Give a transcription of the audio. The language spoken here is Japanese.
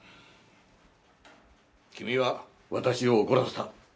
君は私を怒らせた。